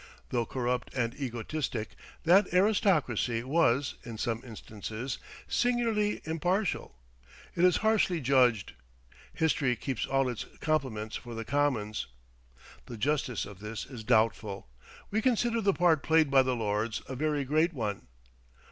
Though corrupt and egotistic, that aristocracy was, in some instances, singularly impartial. It is harshly judged. History keeps all its compliments for the Commons. The justice of this is doubtful. We consider the part played by the Lords a very great one.